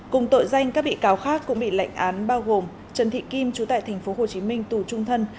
cùng tội danh các bị cáo khác cũng bị lệnh án bao gồm trần thị kim chú tại tp hcm tù trung thân